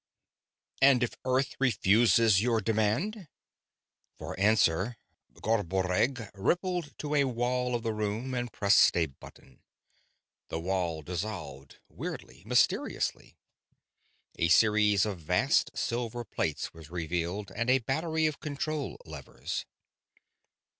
"And if Earth refuses your demand?" For answer, Garboreggg rippled to a wall of the room and pressed a button. The wall dissolved, weirdly, mysteriously. A series of vast silver plates was revealed, and a battery of control levers.